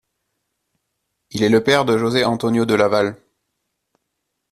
Il est le père de José Antonio de Lavalle.